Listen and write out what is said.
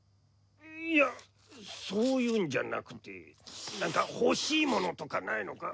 いやそういうんじゃなくてなんか欲しいものとかないのか？